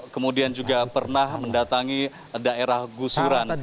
kemudian juga pernah mendatangi daerah gusuran